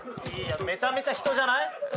いやめちゃめちゃ人じゃない？